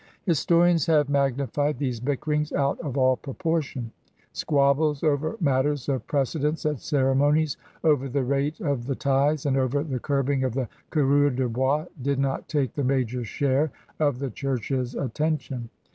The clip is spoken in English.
Historians have magnified these bickerings out of all proportion. Squabbles over matters of pre cedence at ceremonies, over the rate of the tithes, and over the curbing of the coureurs de bois did not take the major share of the Church's attention.